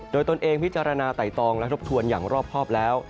โดยตนเองพิจารณาไต่ตองและทบทวนอย่างรอบครอบแล้ว